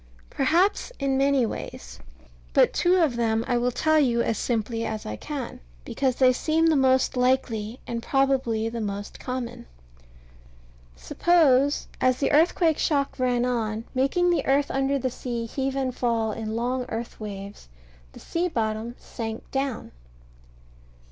Perhaps in many ways. But two of them I will tell you as simply as I can, because they seem the most likely, and probably the most common. Suppose, as the earthquake shock ran on, making the earth under the sea heave and fall in long earth waves, the sea bottom sank down.